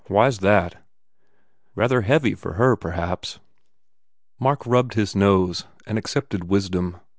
Why s that?" "Rather heavy for her, perhaps." Mark rubbed his nose and accepted wisdom.